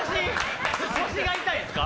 腰が痛いんすか？